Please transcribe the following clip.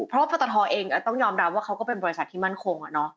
เพราะปตทเองต้องยอมรับว่าเขาก็เป็นบริษัทที่มั่นคง